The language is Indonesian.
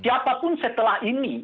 apapun setelah ini